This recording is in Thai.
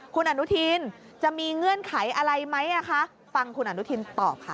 คุณอนุทินจะมีเงื่อนไขอะไรไหมคะฟังคุณอนุทินตอบค่ะ